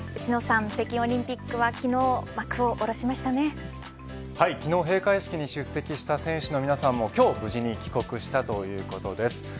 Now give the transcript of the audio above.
内野さん、北京オリンピックは昨日、幕を下ろしま昨日、閉会式に出席した選手の皆さんも今日、無事に帰国したということです。